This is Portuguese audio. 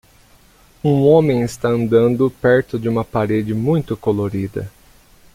Um homem está andando perto de uma parede muito colorida.